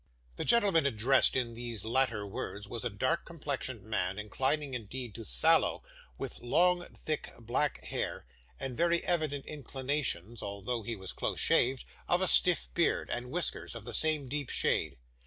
The gentleman addressed in these latter words was a dark complexioned man, inclining indeed to sallow, with long thick black hair, and very evident inclinations (although he was close shaved) of a stiff beard, and whiskers of the same deep shade.